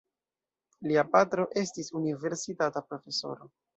Lia patro estis universitata profesoro.